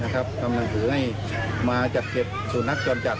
ทำหนังสือให้มาจัดเก็บสูนักจรจัด